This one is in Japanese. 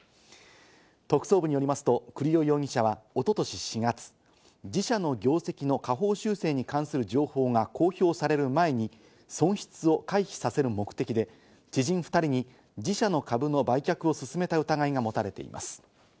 特捜部によりますと栗尾容疑者は一昨年４月、自社の業績の下方修正に関する情報が公表される前に、損失を回避させる目的で知人２人に自社の株の売却をすすめた疑いが持たれています。